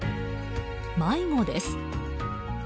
迷子です。